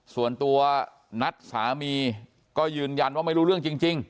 ส่วนตัวนัทสามีก็ยืนยันว่าไม่รู้เรื่องจริง